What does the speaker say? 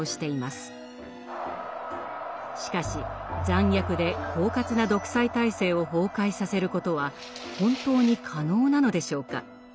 しかし残虐で狡猾な独裁体制を崩壊させることは本当に可能なのでしょうか？